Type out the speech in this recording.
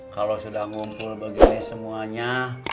kalau sudah ngumpul begini semuanya